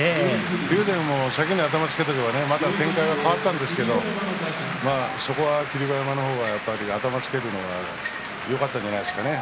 竜電も先に頭をつけておけばまた展開が変わったんでしょうけどそこは霧馬山の方が頭をつけるのがよかったんじゃないでしょうかね。